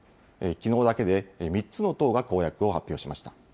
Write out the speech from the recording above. きのうだけで３つの党が公約を発表しました。